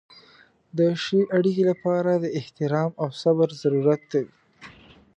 د ښې اړیکې لپاره د احترام او صبر ضرورت دی.